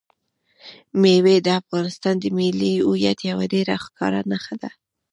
مېوې د افغانستان د ملي هویت یوه ډېره ښکاره نښه ده.